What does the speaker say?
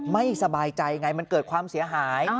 ไม่สบายใจไงมันเกิดความเสียหาย